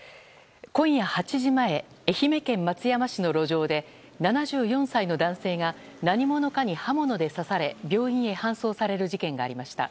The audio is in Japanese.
今夜８時前愛媛県松山市の路上で７４歳の男性が何者かに刃物で刺され病院へ搬送される事件がありました。